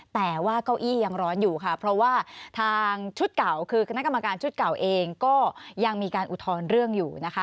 แต่ว่าเก้าอี้ยังร้อนอยู่ค่ะเพราะว่าทางชุดเก่าคือคณะกรรมการชุดเก่าเองก็ยังมีการอุทธรณ์เรื่องอยู่นะคะ